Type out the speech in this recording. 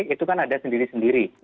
itu kan ada sendiri sendiri